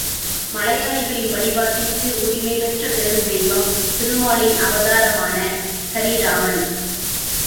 மலையாளிகளின் வழிபாட்டிற்கு உரிமை பெற்ற பெருந் தெய்வம் திருமாலின் அவதாரமான கரிராமன்.